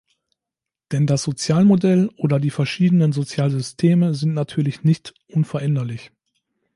Denn das Sozialmodell oder die verschiedenen Sozialsysteme sind natürlich nicht unveränderlich.